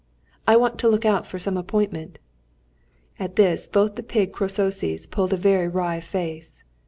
"I want to look out for some appointment." At this, both the pig Crœsuses pulled a very wry face.